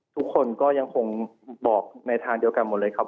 ทุกคนก็ยังคงบอกในทางเดียวกันหมดเลยครับ